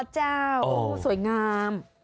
อ๋อเจ้าสวยงาม